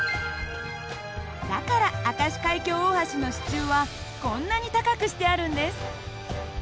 だから明石海峡大橋の支柱はこんなに高くしてあるんです。